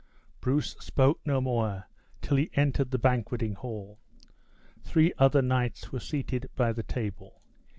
Bruce spoke no more till he entered the banqueting hall. Three other knights were seated by the table.